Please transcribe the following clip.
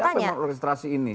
siapa yang mengorkestrasi ini